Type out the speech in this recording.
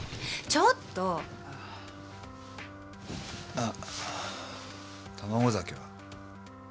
あっ卵酒は？